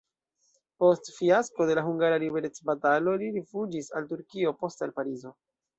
Post fiasko de la hungara liberecbatalo li rifuĝis al Turkio, poste al Parizo.